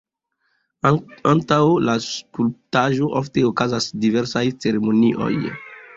Antaŭ la skulptaĵo ofte okazas diversaj ceremonioj.